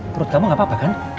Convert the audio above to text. perut kamu gak apa apa kan